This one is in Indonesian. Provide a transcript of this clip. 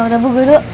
ya udah bu guru